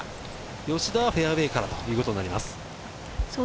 吉田はフェアウエーからということになります。